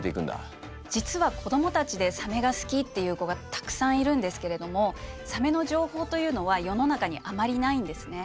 実は子どもたちでサメが好きっていう子がたくさんいるんですけれどもサメの情報というのは世の中にあまりないんですね。